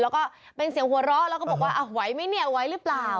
แล้วก็เป็นเสียงหัวเราะแล้วก็บอกว่าไหวไหมเนี่ยไหวหรือเปล่า